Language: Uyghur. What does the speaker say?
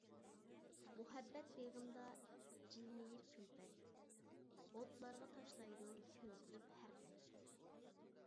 مۇھەببەت بېغىمدا جىلمىيىپ كۈلپەت، ئوتلارغا تاشلايدۇ كۆيدۈرۈپ ھەر رەت.